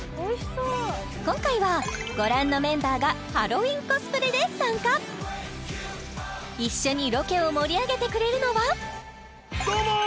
今回はご覧のメンバーがハロウィンコスプレで参加一緒にロケを盛り上げてくれるのはどうもー！